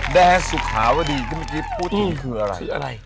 แดสสุขาวดีพูดถึงคืออะไร